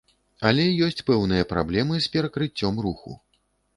Але ёсць пэўныя праблемы з перакрыццём руху.